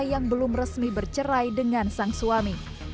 yang belum resmi bercerai dengan sang suami